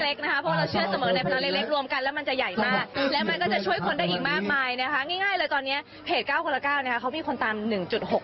เพราะเราเชื่อนสมัครในพลังเล็กรวมกันแล้วมันจะใหญ่มาก